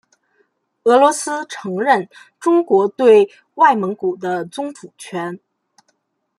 俄罗斯承认中国对外蒙古的宗主权。